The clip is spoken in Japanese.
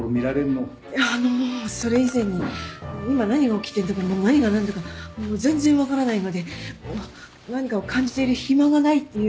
いやあのもうそれ以前に今何が起きてるのかもう何が何だかもう全然分からないので何かを感じている暇がないっていうか。